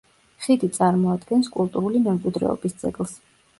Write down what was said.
ხიდი წარმოადგენს კულტურული მემკვიდრეობის ძეგლს.